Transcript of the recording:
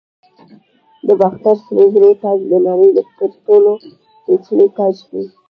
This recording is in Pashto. د باختر سرو زرو تاج د نړۍ تر ټولو پیچلی تاج دی